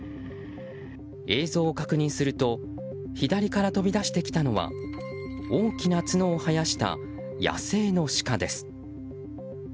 映像を確認すると左から飛び出してきたのは大きな角を生やした野生のシカです。